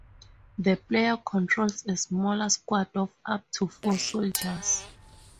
The player controls a small squad of up to four soldiers.